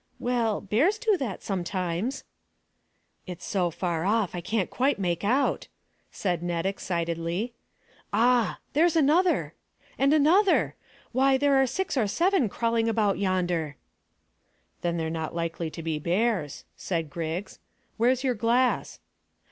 "Well, bears do that sometimes." "It's so far off, I can't quite make out," said Ned excitedly. "Ah! There's another and another. Why, there are six or seven crawling about yonder." "Then they're not likely to be bears," said Griggs. "Where's your glass?"